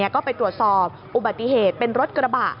ก็ไปตรวจสอบอุบัติเหตุเป็นรถกระบะ